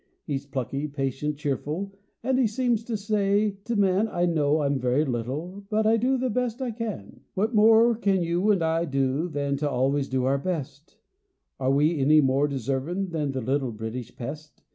He's plucky, patient, cheerful, 'nd he seems t' say t' man, "I know I'm very little, but I do th' best I can." What more can you 'nd I do than t' always do our best? Are we any more deservin' than th' "little British pest?"